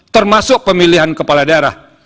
termasuk pemilihan kepala daerah